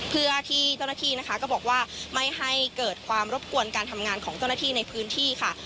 เพื่อที่เจ้าหน้าที่นะคะก็บอกว่าไม่ให้เกิดความรบกวนการทำงานของเจ้าหน้าที่ในพื้นที่ค่ะ